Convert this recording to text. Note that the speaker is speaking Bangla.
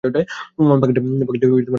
পাখিটা আমার আঙুল কামড়ে দিয়েছে!